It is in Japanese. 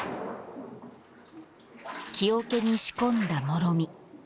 木桶に仕込んだもろみ。